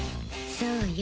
そうよ